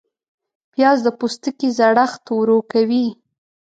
پیاز د پوستکي زړښت ورو کوي